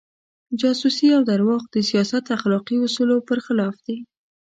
جاسوسي او درواغ د سیاست اخلاقي اصولو پر خلاف دي.